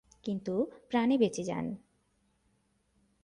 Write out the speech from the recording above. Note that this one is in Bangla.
কিন্তু প্রাণে বেঁচে যান।